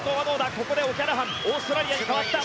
ここでオキャラハンオーストラリアに代わった。